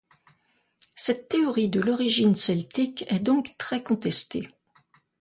Cette théorie de l'origine celtique est donc très contestée.